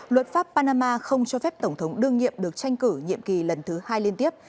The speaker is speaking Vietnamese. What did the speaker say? luật pháp panama không cho phép tổng thống đương nhiệm được tranh cử nhiệm kỳ lần thứ hai liên tiếp